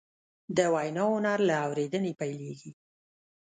د وینا هنر له اورېدنې پیلېږي